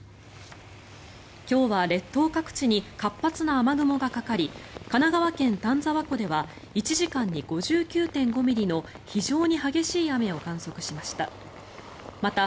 今日は列島各地に活発な雨雲がかかり神奈川県・丹沢湖では１時間に５９．５ミリの非常に激しい雨を観測しました。